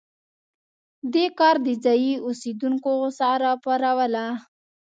دې کار د ځايي اوسېدونکو غوسه راوپاروله.